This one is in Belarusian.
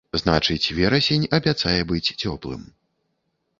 Значыць, верасень абяцае быць цёплым.